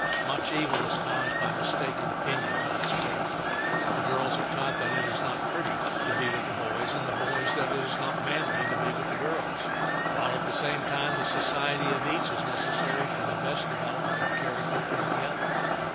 Much evil is caused by mistaken opinions on this point. The girls are taught that it is not pretty to be with the boys and the boys that it is not manly to be with the girls, while at the same time the society of each is necessary for the best development of character in the other.